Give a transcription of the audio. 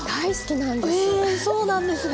えそうなんですね！